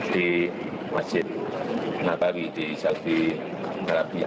di masjid natawi di saudi arabia